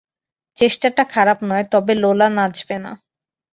চেষ্টাটা খারাপ নয়, তবে লোলা নাচবে না।